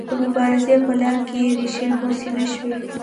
د مبارزې په لاره کې ریښې یې غوڅې نه شوې.